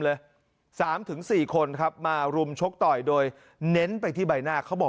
เลย๓๔คนครับมารุมชกต่อยโดยเน้นไปที่ใบหน้าเขาบอก